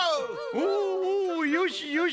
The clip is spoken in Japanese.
おおおおよしよし！